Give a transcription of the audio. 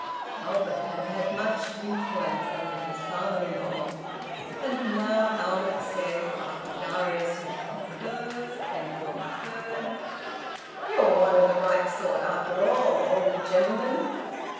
Albert had had much influence over his father in law. And now Albert said, after Darius had concurred and concurred "You're one of the right sort, after all, old gentleman."